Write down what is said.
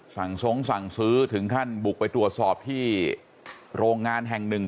ทรงสั่งซื้อถึงขั้นบุกไปตรวจสอบที่โรงงานแห่งหนึ่ง